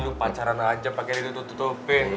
lu pacaran aja pake diri tutup tutupin